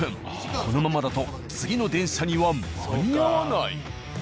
このままだと次の電車には間に合わない。